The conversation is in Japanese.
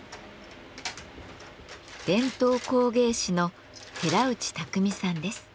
伝統工芸士の寺内卓巳さんです。